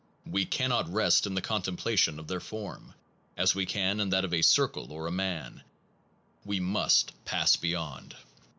1 We cannot rest in the contemplation of their form, as we can in that of a circle or a man ; we must pass beyond.